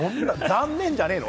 残念じゃねぇの？